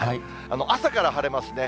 朝から晴れますね。